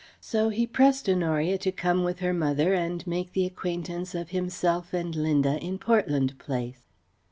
So he pressed Honoria to come with her mother and make the acquaintance of himself and Linda in Portland Place.